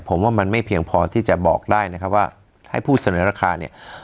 ผมว่ามันไม่เพียงพอที่จะบอกได้นะครับว่าให้ผู้เสนอราคาเนี่ย